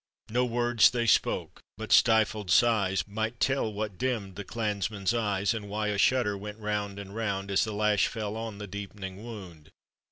No words they spoke, but stifled sighs Might tell what dimmed the clansmen's e\es, And why a shudder went round and round As the lash fell on the deepening wound.